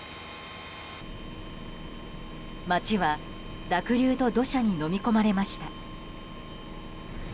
街は濁流と土砂にのみ込まれました。